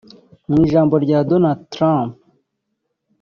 Mu ijambo rya Donald Trump